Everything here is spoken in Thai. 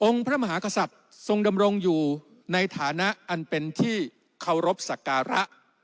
พระมหากษัตริย์ทรงดำรงอยู่ในฐานะอันเป็นที่เคารพสักการะ